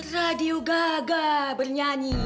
radio gaga bernyanyi